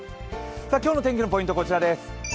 今日の天気のポイントはこちらです。